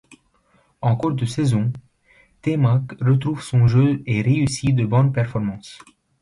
En cours de saison, T-Mac retrouve son jeu et réussit de bonnes performances.